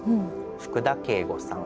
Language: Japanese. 福田圭吾さん。